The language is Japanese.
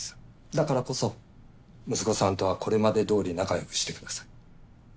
だからこそ息子さんとはこれまで通り仲良くしてください。